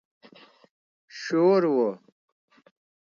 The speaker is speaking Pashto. شور و.